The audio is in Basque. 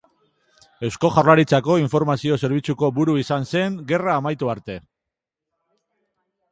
Eusko Jaurlaritzako informazio zerbitzuko buru izan zen gerra amaitu arte.